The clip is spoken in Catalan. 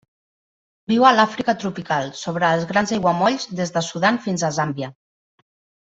Viu a l'Àfrica tropical, sobre els grans aiguamolls des de Sudan fins a Zàmbia.